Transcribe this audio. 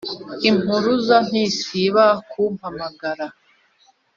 impuruza ntisiba kumpamagara